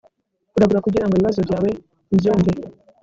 uragura kugira ngo ibibazo byawe mbyumve.